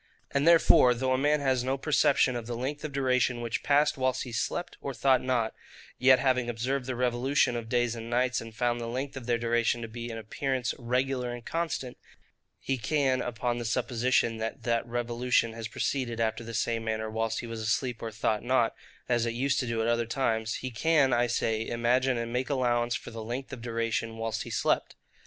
And therefore, though a man has no perception of the length of duration which passed whilst he slept or thought not; yet, having observed the revolution of days and nights, and found the length of their duration to be in appearance regular and constant, he can, upon the supposition that that revolution has proceeded after the same manner whilst he was asleep or thought not, as it used to do at other times, he can, I say, imagine and make allowance for the length of duration whilst he slept.